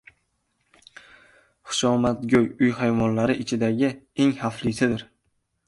Xushomadgo‘y uy hayvonlari ichidagi eng xavflisidir.